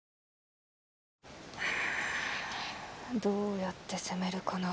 どうやって攻めるかな。